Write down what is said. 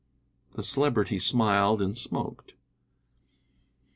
The Celebrity smiled and smoked.